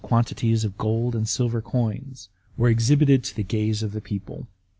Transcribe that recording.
quantities of gold and silver coins, were exhibited to the gaze of the people.